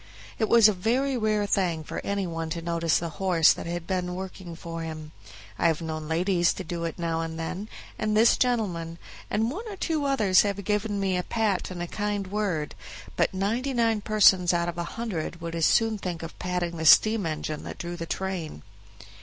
It was a very rare thing for any one to notice the horse that had been working for him. I have known ladies to do it now and then, and this gentleman, and one or two others have given me a pat and a kind word; but ninety nine persons out of a hundred would as soon think of patting the steam engine that drew the train.